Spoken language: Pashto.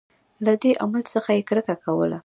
له دې عمل څخه یې کرکه کوله.